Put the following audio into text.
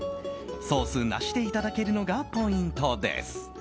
ソースなしでいただけるのがポイントです。